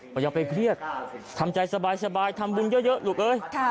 ก็อย่าไปเครียดทำใจสบายทำบุญเยอะลูกเอ้ย